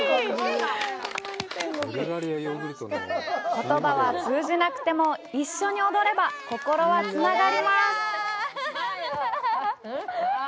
言葉は通じなくても、一緒に踊れば心はつながります。